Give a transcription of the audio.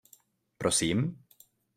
Prosím?